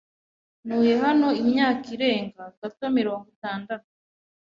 Ntuye hano imyaka irenga gato mirongo itandatu.